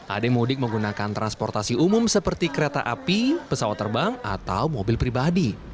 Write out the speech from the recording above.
ada yang mudik menggunakan transportasi umum seperti kereta api pesawat terbang atau mobil pribadi